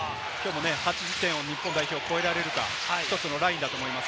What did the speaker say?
８０点を日本代表が超えられるかが１つのラインだと思います。